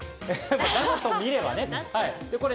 ガムと見ればね。